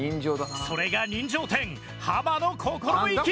それが人情店はまの心意気。